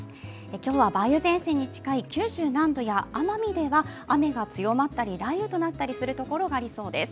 今日は梅雨前線に近い九州南部や奄美では雨が強まったり雷雨となったりするところがありそうです。